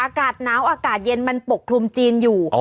อากาศหนาวอากาศเย็นมันปกคลุมจีนอยู่